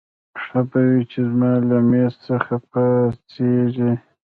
ښه به وي چې زما له مېز څخه پاڅېږې.